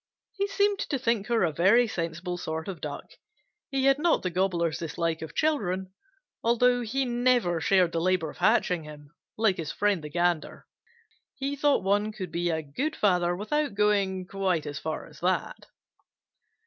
He seemed to think her a very sensible sort of Duck. He had not the Gobbler's dislike of children, although he never shared the labor of hatching them, like his friend the Gander. He thought one could be a good father without going quite as far as that.